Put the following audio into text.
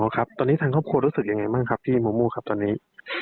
ครับตอนนี้ทางครอบครัวรู้สึกยังไงบ้างครับพี่มูมูครับตอนนี้